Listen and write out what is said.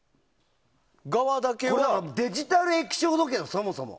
デジタル液晶時計よ、そもそも。